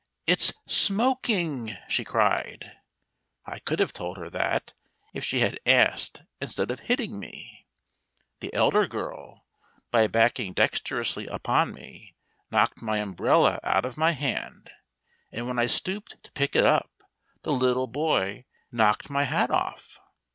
"It's 'smoking!'" she cried. I could have told her that, if she had asked instead of hitting me. The elder girl, by backing dexterously upon me, knocked my umbrella out of my hand, and when I stooped to pick it up the little boy knocked my hat off.